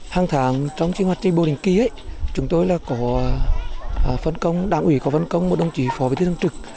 hàng tháng trong trinh hoạt tri bộ đình kỳ chúng tôi là có phân công đảng ủy có phân công một đồng chí phó vị tư dân trực